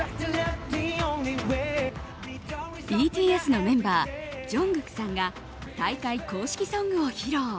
ＢＴＳのメンバージョングクさんが大会公式ソングを披露。